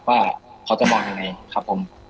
ว่าเขาจะมองยังไงครับผม